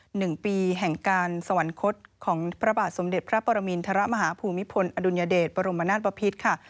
หนึ่งปีแห่งการสวรรคตของพระบาทสมเด็จพระปรมินทรมาฮภูมิพลอดุลยเดชบรมนาศปภิษค่ะ